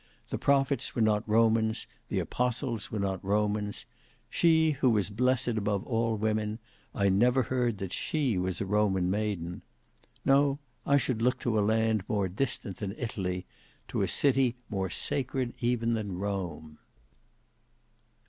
The prophets were not Romans; the apostles were not Romans; she, who was blessed above all women, I never heard she was a Roman maiden. No, I should look to a land more distant than Italy, to a city more sacred even than Rome."